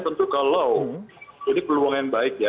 tentu kalau ini peluang yang baik ya